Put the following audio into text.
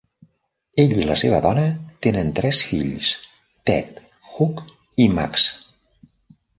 Ell i la seva dona tenen tres fills, Ted, Hugh i Max.